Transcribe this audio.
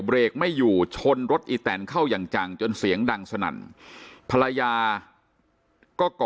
แบบเร็กไม่อยู่ชนรถอีแตนเข้าอย่างจังจนเสียงร้อนดังเพือดาน